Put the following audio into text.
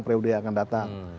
preudaya yang akan datang